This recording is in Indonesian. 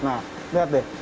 nah lihat deh